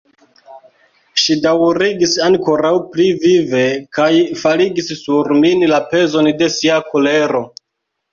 Ŝi daŭrigis ankoraŭ pli vive, kaj faligis sur min la pezon de sia kolero.